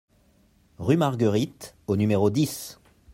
Rue Marguerite au numéro dix